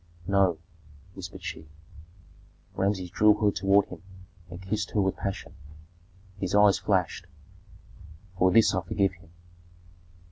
"No," whispered she. Rameses drew her toward him and kissed her with passion. His eyes flashed. "For this I forgive him."